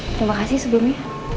terima kasih sebelumnya